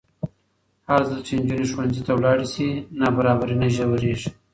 هرځل چې نجونې ښوونځي ته ولاړې شي، نابرابري نه ژورېږي.